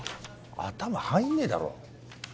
頭入んねえだろ？